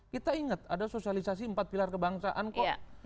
kita ingat ada sosialisasi empat pilar kebangsaan kok